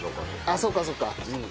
あっそっかそっか。